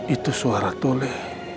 itulah suara tole